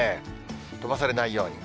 飛ばされないように。